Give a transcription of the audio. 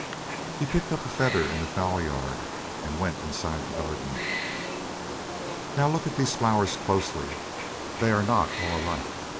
He picked up a feather in the fowl yard, and went inside the garden. "Now look at these flowers closely; they are not all alike.